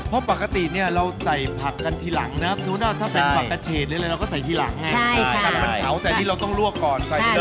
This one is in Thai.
เพราะปกติเนี่ยเราใส่ผักกันทีหลังนะครับถ้าเป็นผักกับเฉดเลยเราก็ใส่ทีหลังให้ใช่ค่ะถ้ามันเฉาแต่ที่เราต้องลวกก่อนใส่ทีเลย